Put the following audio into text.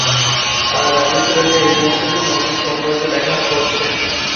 তার দাবি ছিল যে, এই মসজিদটি নদীর সৌন্দর্যে ব্যাঘাত করছে।